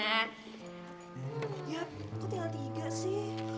ya aku tinggal tiga sih